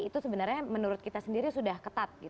itu sebenarnya menurut kita sendiri sudah ketat